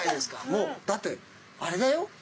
もうだってあれだよ。